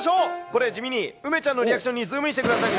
これ、地味に梅ちゃんのリアクションに、ズームインしてください。